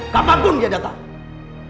kapanpun dia datang